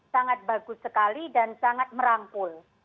sangat bagus sekali dan sangat merangkul